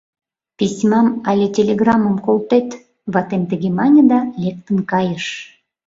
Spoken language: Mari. — Письмам але телеграммым колтет, — ватем тыге мане да лектын кайыш.